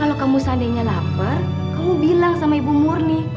kalau kamu seandainya lapar kamu bilang sama ibu murni